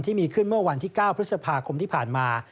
ที่มีขึ้นเมื่อวันที่๙พฤษภาคมที่ผ่านมา